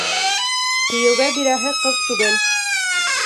Кейәүгә бирәһе ҡыҙ түгел.